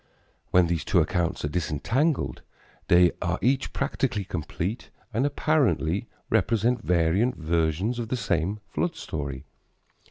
When these two accounts are disentangled, they are each practically complete and apparently represent variant versions of the same flood story.